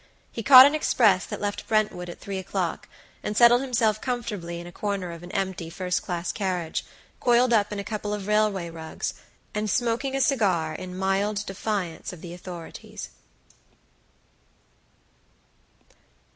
He caught an express that left Brentwood at three o'clock, and settled himself comfortably in a corner of an empty first class carriage, coiled up in a couple of railway rugs, and smoking a cigar in mild defiance of the authorities.